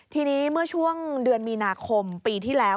ทีนี้เมื่อช่วงเดือนมีนาคมปีที่แล้ว